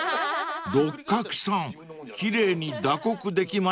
［六角さん奇麗に打刻できましたね］